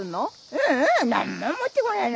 ううん何も持ってこないよ。